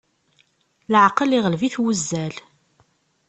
Leɛqel iɣleb-it wuzzal.